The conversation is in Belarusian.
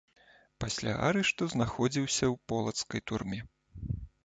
Пасля арышту знаходзіўся ў полацкай турме.